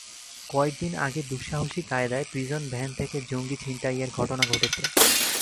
কয়েক দিন আগে দুঃসাহসী কায়দায় প্রিজন ভ্যান থেকে জঙ্গি ছিনতাইয়ের ঘটনা ঘটেছে।